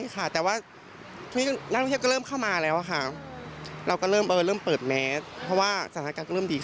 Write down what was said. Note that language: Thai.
กลัวไหมพี่